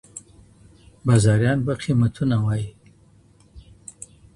بازاريان به قيمتونه وايي.